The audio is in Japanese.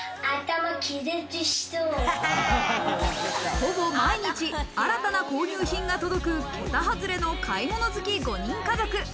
ほぼ毎日新たな購入品が届く桁外れの買い物好き５人家族。